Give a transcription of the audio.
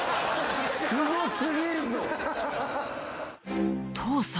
すご過ぎるぞ。